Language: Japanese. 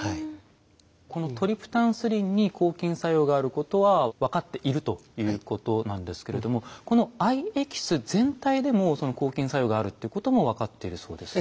このトリプタンスリンに抗菌作用があることは分かっているということなんですけれどもこの藍エキス全体でも抗菌作用があるっていうことも分かっているそうですね？